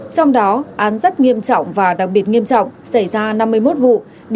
trong đó án rất nghiêm trọng và đặc biệt nghiêm trọng xảy ra năm mươi một vụ